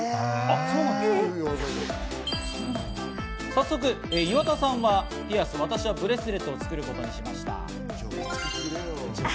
早速、岩田さんはピアス、私はブレスレットを作ることにしました。